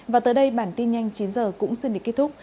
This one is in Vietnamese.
và tới đây bản tin nhanh chín h cũng xin để kết thúc